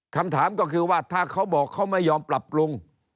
คำถามก็คือว่าถ้าเขาบอกเขาไม่ยอมปรับปรุง